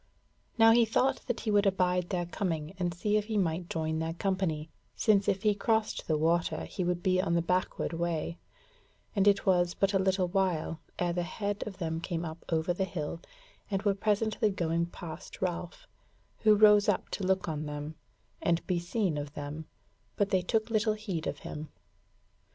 Now he thought that he would abide their coming and see if he might join their company, since if he crossed the water he would be on the backward way: and it was but a little while ere the head of them came up over the hill, and were presently going past Ralph, who rose up to look on them, and be seen of them, but they took little heed of him.